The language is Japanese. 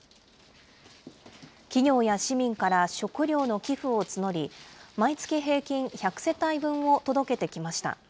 企業や市民から食料の寄付を募り、毎月平均１００世帯分を届けてきました。